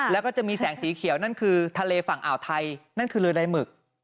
แล้วก็จะมีแสงสีเขียวนั่นคือทะเลฝั่งอ่าวไทยนั่นคือเรือใดหมึก